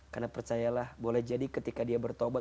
karena percayalah boleh jadi ketika dia bertobat